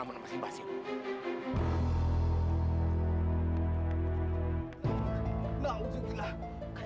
yaudah kalau gitu sarapan dulu yuk kak